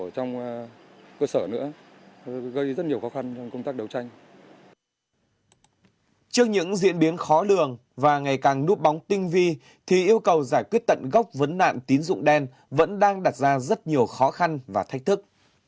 trước những diễn biến khó lường và ngày càng núp bóng tinh vi thì yêu cầu giải quyết tận gốc vấn nạn tín dụng đen vẫn đang đặt ra rất nhiều khó khăn và thách thức